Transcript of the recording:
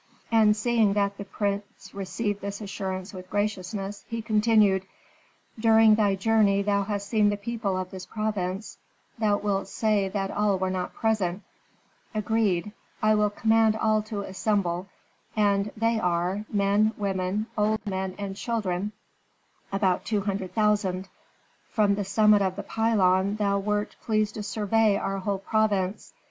And, seeing that the prince received this assurance with graciousness, he continued, "During thy journey thou hast seen the people of this province. Thou wilt say that all were not present. Agreed. I will command all to assemble, and they are, men, women, old men, and children, about two hundred thousand. From the summit of the pylon thou wert pleased to survey our whole province.